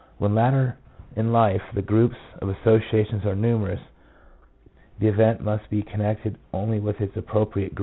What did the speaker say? When later in life the groups of associations are numerous, the event must be con nected only with its appropriate groups, and hence is 1 See L.